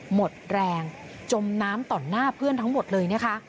หมดแรงจมน้ำต่อหน้าเพื่อนทั้งหมดเลยนะคะ